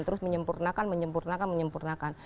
terus menyempurnakan menyempurnakan menyempurnakan